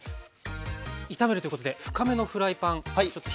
炒めるということで深めのフライパンちょっと火にかけてあります。